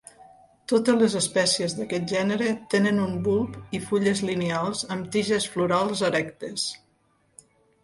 Totes les espècies d'aquest gènere tenen un bulb i fulles lineals amb tiges florals erectes.